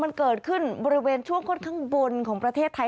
มันเกิดขึ้นบริเวณช่วงค่อนข้างบนของประเทศไทย